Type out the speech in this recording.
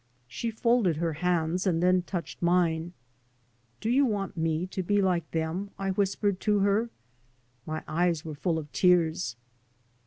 She folded her hands and then touched mine. " Do you want me to be like them? " I whispered to her. My eyes were full of tears.